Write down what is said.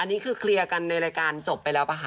อันนี้เคลียร์กันในรายการจบไปแล้วเหรอคะ